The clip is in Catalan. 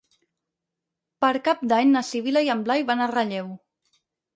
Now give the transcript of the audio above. Per Cap d'Any na Sibil·la i en Blai van a Relleu.